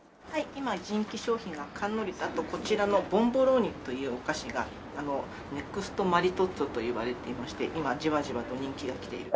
今人気商品がカンノーリとあとこちらのボンボローニというお菓子がネクストマリトッツォといわれていまして今じわじわと人気がきている。